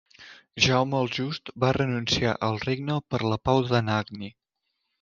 Jaume el Just va renunciar al regne per la pau d'Anagni.